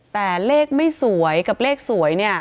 แต่เลขไม่สวยกับเลขสวยเนี่ย